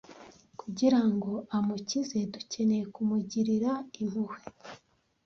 kugira ngo amukize dukeneye kumugirira impuhwe